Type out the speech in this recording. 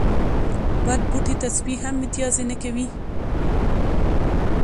بد بوټي ته سپي هم متازې نه کوی